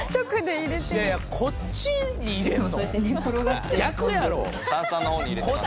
いやいやこっちに入れるの？